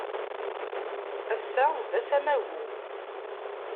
Ass-a d ass amagu.